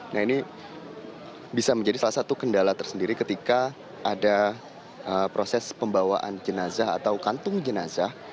nah ini bisa menjadi salah satu kendala tersendiri ketika ada proses pembawaan jenazah atau kantung jenazah